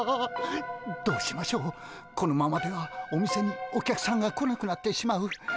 このままではお店にお客さんが来なくなってしまう。